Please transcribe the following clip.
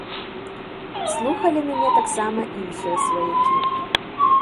Слухалі мяне таксама іншыя сваякі.